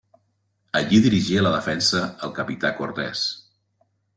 Allí dirigia la defensa el capità Cortés.